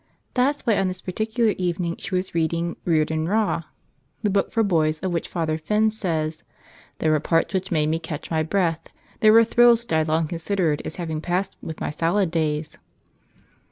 That's why, on this particular evening, she was reading "Rear¬ don Rah!" the book for boys of which Father Finn says, "There were parts which made me catch my breath. There were thrills which I long considered as having passed with my salad days."